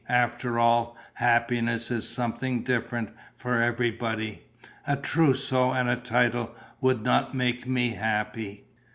After all, happiness is something different for everybody. A trousseau and a title would not make me happy."